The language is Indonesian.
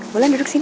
mulan duduk sini